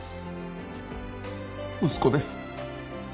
息子です。